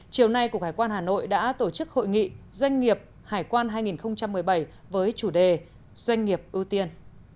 chiều nay cục hải quan hà nội đã tổ chức hội nghị doanh nghiệp hải quan hai nghìn một mươi bảy với chủ đề doanh nghiệp ưu tiên